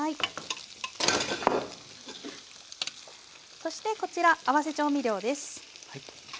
そしてこちら合わせ調味料です。